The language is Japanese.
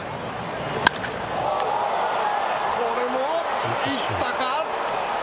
これもいったか。